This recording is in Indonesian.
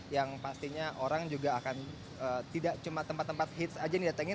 yang pastinya orang juga akan tidak cuma tempat tempat hits aja yang didatengin